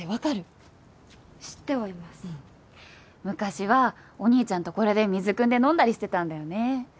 昔はお兄ちゃんとこれで水くんで飲んだりしてたんだよね。